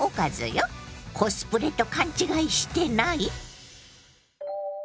コスプレと勘違いしてない？